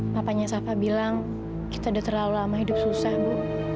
papanya safa bilang kita udah terlalu lama hidup susah bu